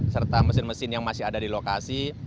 serta mesin mesin yang masih ada di lokasi